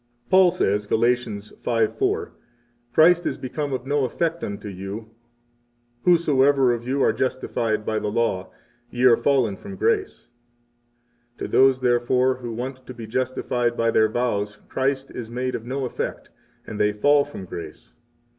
41 Paul says, Gal. 5:4: Christ is become of no effect unto you, whosoever of you are justified by the Law, ye are fallen from grace. 42 To those, therefore, who want to be justified by their vows Christ is made of no effect, and they fall from grace.